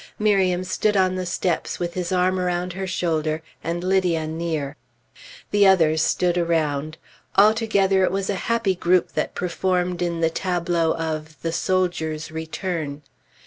Miriam stood on the steps with his arm around her shoulder, and Lydia near. The others stood around; altogether, it was a happy group that performed in the tableau of "The Soldier's Return."